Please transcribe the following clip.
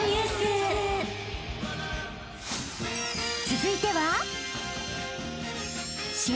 ［続いては］